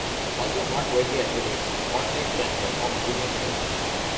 Although not widely advertised, Spotlight can perform boolean searches.